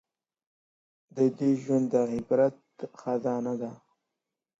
د ده ژوند د عبرت خزانه ده